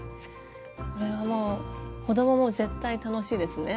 これはもう子供も絶対楽しいですね。